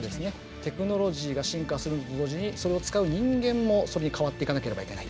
テクノロジーが進化すると同時にそれを使う人間も同時に変わっていかなければいけない。